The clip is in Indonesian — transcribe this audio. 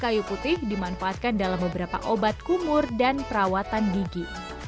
minyak eukaliptus ini dapat dimanfaatkan dalam beberapa obat kumur dan perawatan gigi